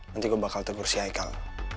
nanti gue bakal tegur si ichael